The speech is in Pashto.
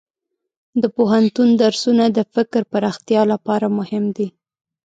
د پوهنتون درسونه د فکر پراختیا لپاره مهم دي.